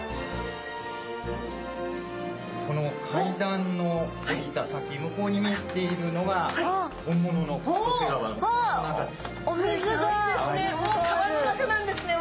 その階段の下りた先向こうに見えているのがすギョいですね。